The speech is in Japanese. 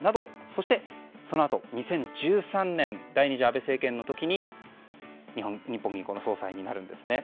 そして、そのあと２０１３年、第２次安倍政権の時日本銀行の総裁になるんですね。